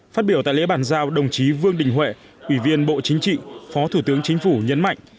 phát biểu tại lễ bàn giao đồng chí vương đình huệ ủy viên bộ chính trị phó thủ tướng chính phủ nhấn mạnh